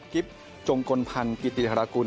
กิฟต์จงกลพันต์กริติรากุณ